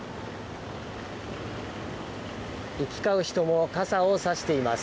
行き交う人も傘を差しています。